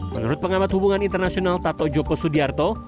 menurut pengamat hubungan internasional tato joko sudiarto